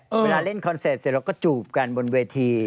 เวลาเล่นคนเซตเราก็จูบกันบนเวที่